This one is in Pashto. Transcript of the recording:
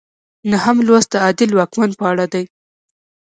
نهم لوست د عادل واکمن په اړه دی.